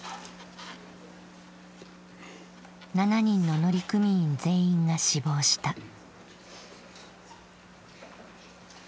７人の乗組員全員が死亡した。